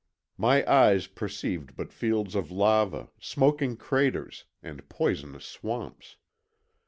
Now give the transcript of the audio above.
My eyes perceived but fields of lava, smoking craters, and poisonous swamps.